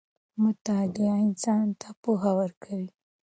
مطالعه انسان ته پوهه ورکوي.